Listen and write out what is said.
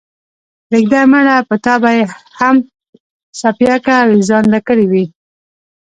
پرېږده مړه په تا به ئې هم څپياكه اوېزانده كړې وي۔